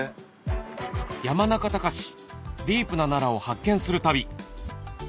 山中崇ディープな奈良を発見する旅